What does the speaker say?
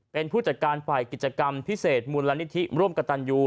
เป็นผู้จัดการฝ่ายกิจกรรมพิเศษมูลนิธิร่วมกับตันยู